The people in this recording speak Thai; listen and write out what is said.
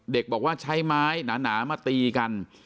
เด็กบอกว่าใช้ไม้หนามาตีกัน